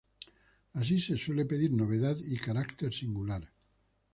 Así se suele pedir novedad y carácter singular.